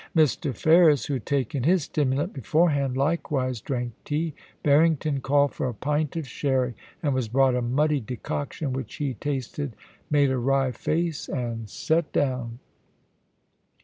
Mr. Ferris, who had taken his stimulant beforehand, likewise drank tea. Barrington called for a pint of sherry, and was brought a muddy decoction, which he tasted, made a \\t)' face, and set down.